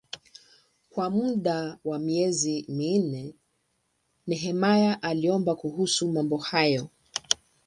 Kwa muda wa miezi minne Nehemia aliomba kuhusu mambo hayo.